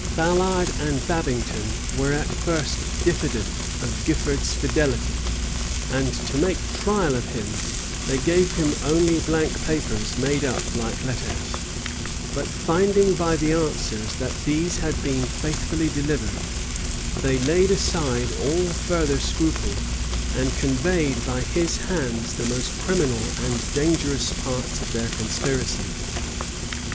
Ballard and Babington were at first diffident of Gifford's fidelity; and to make trial of him, they gave him only blank papers made up like letters; but finding by the answers that these had been faithfully delivered, they laid aside all further scruple, and conveyed by his hands the most criminal and dangerous parts of their conspiracy.